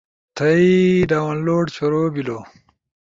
تھئی ڈالؤنلوڈ شروع بلو